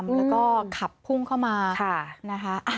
แล้วก็ขับพุ่งเข้ามานะคะ